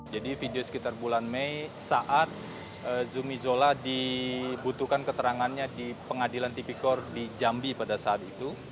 jadi video sekitar bulan mei saat zumi zola dibutuhkan keterangannya di pengadilan tipi korjambi pada saat itu